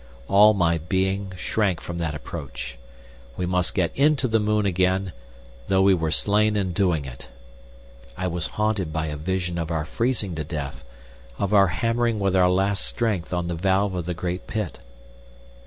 All my being shrank from that approach. We must get into the moon again, though we were slain in doing it. I was haunted by a vision of our freezing to death, of our hammering with our last strength on the valve of the great pit.